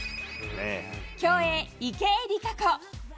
競泳・池江璃花子。